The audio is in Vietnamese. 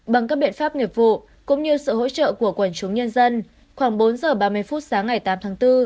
bằng các biện pháp nghiệp vụ cũng như sự hỗ trợ của quần chúng nhân dân khoảng bốn giờ ba mươi phút sáng ngày tám tháng bốn